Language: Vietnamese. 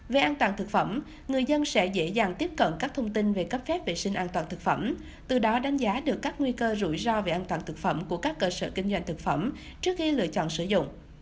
về an toàn thực phẩm người dân sẽ dễ dàng tiếp cận các thông tin về cấp phép vệ sinh an toàn thực phẩm từ đó đánh giá được các nguy cơ rủi ro về an toàn thực phẩm của các cơ sở kinh doanh thực phẩm trước khi lựa chọn sử dụng